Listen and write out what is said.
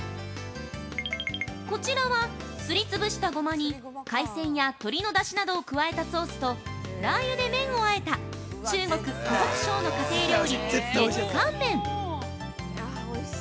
◆こちらは、すり潰したゴマに海鮮や鶏のだしなどを加えたソースとラー油で麺をあえた中国・湖北省の家庭料理、熱乾麺。